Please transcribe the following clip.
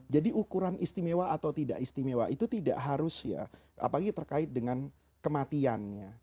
ukuran istimewa atau tidak istimewa itu tidak harus ya apalagi terkait dengan kematiannya